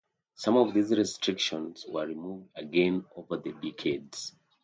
Some of these restrictions were removed again over the decades.